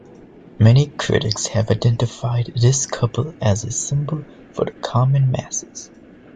Many critics have identified this couple as a symbol for the common masses.